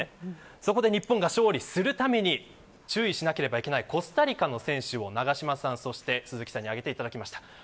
そこで日本が勝利するために注意しなくてはいけないコスタリカの選手を永島さんと鈴木さんに挙げていただきました。